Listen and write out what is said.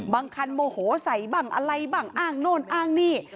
บางคันโมโหใส่บังอะไรบังอ้างโน้นอ้างนี่